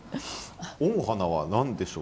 「御花」は何でしょう？